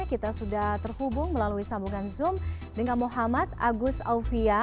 kita sudah terhubung melalui sambungan zoom dengan muhammad agus aufia